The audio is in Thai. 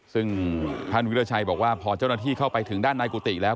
ซึ่งท่านวิราชัยบอกว่าพอเจ้าหน้าที่เข้าไปถึงด้านในกุฏิแล้ว